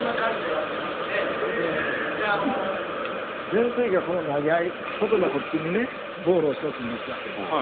全盛期はこの投げ合い例えばこっちにねボールを１つ持つわけです。